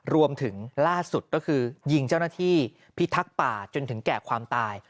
รวมถึงล่าสุดก็คือยิงเจ้าหน้าที่พิทักษ์ป่าจนถึงแก่ความตาย